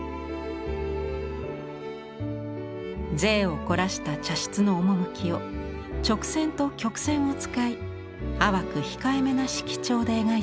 贅を凝らした茶室の趣を直線と曲線を使い淡く控えめな色調で描いています。